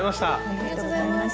ありがとうございます。